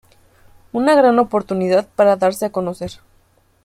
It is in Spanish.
Una gran oportunidad para darse a conocer.